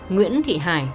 nguyễn thị hải